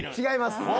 違います